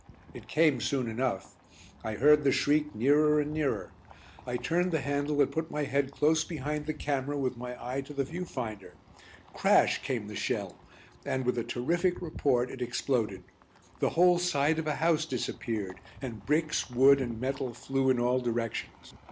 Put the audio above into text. It came soon enough, I heard the shriek nearer and nearer. I turned the handle and put my head close behind the camera with my eye to the view finder. Crash came the shell, and, with a terrific report, it exploded. The whole side of a house disappeared, and bricks, wood, and metal flew in all directions.